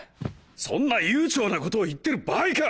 そんな悠長なことを言ってる場合か！